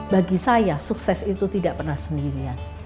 bagi saya sukses itu tidak pernah sendirian